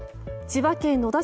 千葉県野田